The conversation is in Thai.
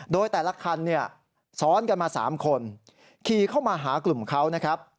โดยแต่ละคันเนี่ยซ้อนกันมา๓คนขี่เข้ามาหากลุ่มเขานะครับ